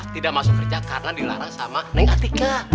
tidak masuk kerja karena dilarang sama neng atika